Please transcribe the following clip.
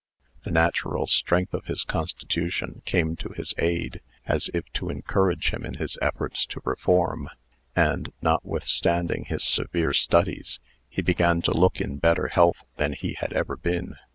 The natural strength of his constitution came to his aid, as if to encourage him in his efforts to reform; and, notwithstanding his severe studies, he began to look in better health than he had ever been.